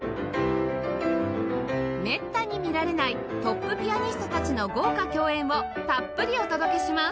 めったに見られないトップピアニストたちの豪華共演をたっぷりお届けします！